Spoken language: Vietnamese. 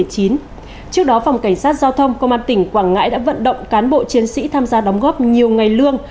trước đó phòng cảnh sát giao thông công an tỉnh quảng ngãi đã vận động cán bộ chiến sĩ tham gia đóng góp nhiều ngày lương